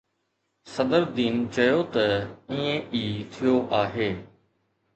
صدرالدين چيو ته ائين ئي ٿيو آهي.